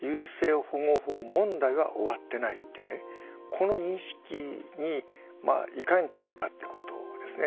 この認識にいかに立つかってことですね。